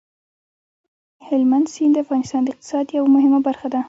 هلمند سیند د افغانستان د اقتصاد یوه مهمه برخه ده.